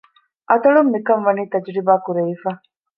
އަތޮޅުން މިކަން ވަނީ ތަޖުރިބާ ކުރެވިފަ